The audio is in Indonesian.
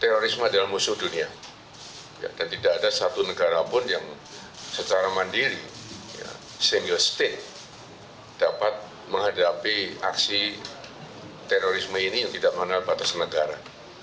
terorisme adalah musuh dunia dan tidak ada satu negara pun yang secara mandiri single state dapat menghadapi aksi terorisme ini yang tidak mengenal batas negara